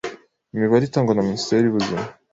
Imibare itangwa na Minisiteri y’Ubuzima